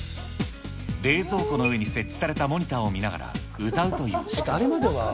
冷蔵庫の上に設置されたモニターを見ながら歌うという仕組み。